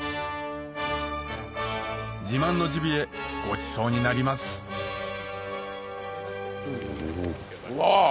自慢のジビエごちそうになりますわぁ！